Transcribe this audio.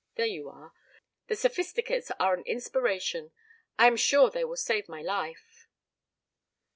There you are! The Sophisticates are an inspiration. I am sure they will save my life."